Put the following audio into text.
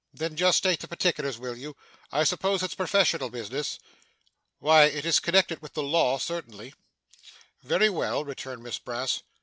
'Then just state the particulars, will you? I suppose it's professional business?' 'Why, it is connected with the law, certainly.' 'Very well,' returned Miss Brass.